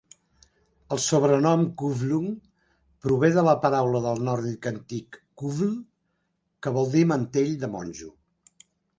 El sobrenom Kuvlung prové de la paraula del nòrdic antic "kuvl", que vol dir mantell de monjo.